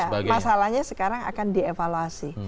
masalahnya sekarang akan dievaluasi